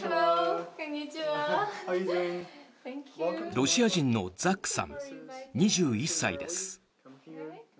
ロシア人のザックさん、２１歳です。